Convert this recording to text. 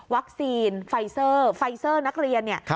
วัคซีนไฟซอร์ไฟซอร์นักเรียนเนี่ย